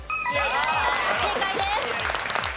正解です。